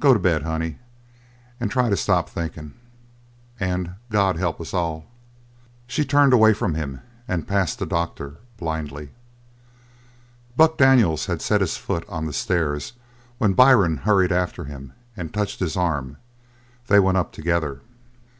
Go to bed, honey, and try to stop thinkin' and God help us all!" She turned away from him and passed the doctor blindly. Buck Daniels had set his foot on the stairs when Byrne hurried after him and touched his arm; they went up together.